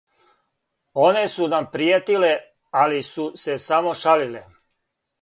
Оне су нам пријетиле, али су се само шалиле.